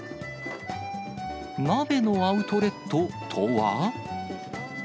鍋のアウトレットとは？